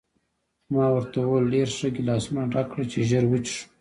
ما ورته وویل: ډېر ښه، ګیلاسونه ډک کړه چې ژر وڅښو.